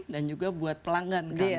dan juga buat pelanggan kami